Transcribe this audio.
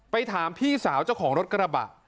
ถามพี่สาวเจ้าของรถกระบะ